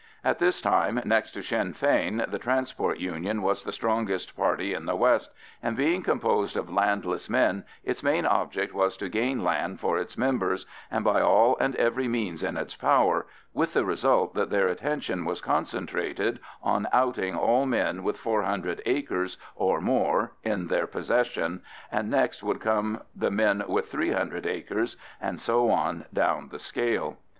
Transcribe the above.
At this time, next to Sinn Fein, the Transport Union was the strongest party in the west, and being composed of landless men, its main object was to gain land for its members by all and every means in its power, with the result that their attention was concentrated on outing all men with four hundred acres or more in their possession, and next would come the men with three hundred acres, and so on down the scale.